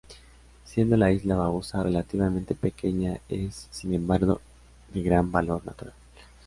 Siendo la isla Bauzá relativamente pequeña, es, sin embargo, de gran valor natural.